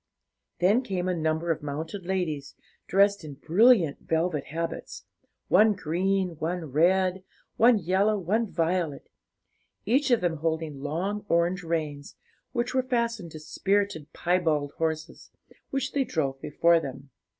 Then came a number of mounted ladies, dressed in brilliant velvet habits, one green, one red, one yellow, one violet; each of them holding long orange reins, which were fastened to spirited piebald horses, which they drove before them.